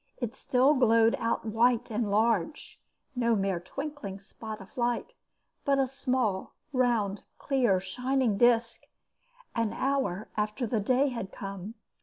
It still glowed out white and large, no mere twinkling spot of light, but a small round clear shining disc, an hour after the day had come.